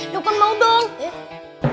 lukman mau dong